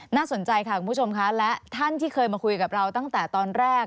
น่าสนใจค่ะคุณผู้ชมค่ะและท่านที่เคยมาคุยกับเราตั้งแต่ตอนแรก